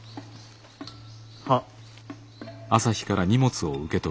はっ。